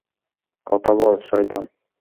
কথা বল, শয়তান!